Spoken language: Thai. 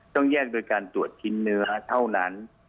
ต้องแยกโดยการตรวจชิ้นเนื้อเท่านั้น